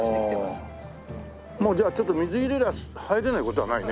もうじゃあちょっと水入れれば入れない事はないね。